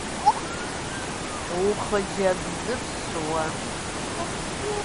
УхъыджэбзыфӀщ уэ!